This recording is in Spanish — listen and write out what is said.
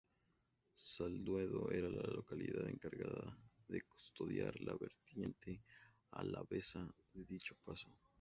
Zalduendo era la localidad encargada de custodiar la vertiente alavesa de dicho paso.